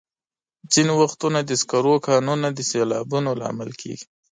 ځینې وختونه د سکرو کانونه د سیلابونو لامل کېږي.